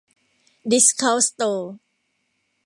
ดิสเคานต์สโตร์